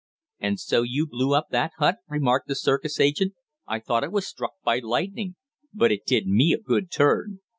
"And so you blew up that hut?" remarked the circus agent. "I thought it was struck by lightning. But it did me a good turn.